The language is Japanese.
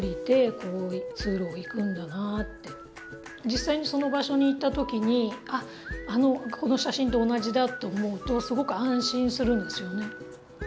実際にその場所に行った時に「あっこの写真と同じだ」って思うとすごく安心するんですよね。